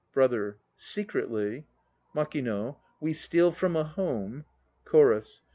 BROTHER. Secretly MAKING. We steal from a home CHORUS.